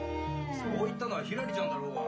・そう言ったのはひらりちゃんだろうが。